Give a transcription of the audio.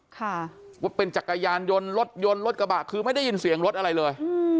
ค่ะว่าเป็นจักรยานยนต์รถยนต์รถกระบะคือไม่ได้ยินเสียงรถอะไรเลยอืม